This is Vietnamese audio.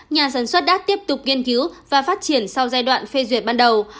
nhà sản xuất đã tiếp tục nghiên cứu và phát triển sau giai đoạn phê duyệt ban đầu